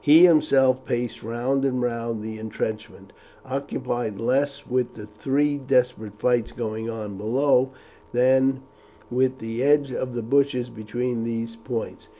He himself paced round and round the intrenchment, occupied less with the three desperate fights going on below than with the edge of the bushes between those points.